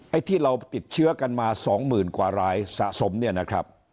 ไอ้ที่เราติดเชื้อกันมาสองหมื่นกว่ารายสะสมเนี่ยนะครับ